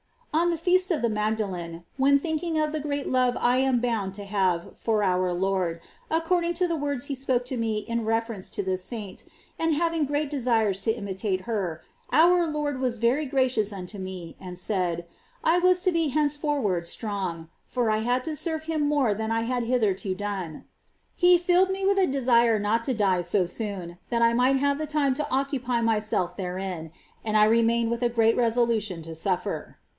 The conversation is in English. ^ 9. On the Feast of the Magdalene, when thinking of the great love I am bound to have for our Lord, according to the words He spoke to me in reference to this Saint, and having great desires to imitate her, our Lord was very gracious unto me, and said, I was to be henceforward strong ; for I had to serve Him more than I had hitherto done.^ He filled me with a desire not to die so soon, that I might have the time to occupy myself therein ; and I remained with a great resolu tion to suffer.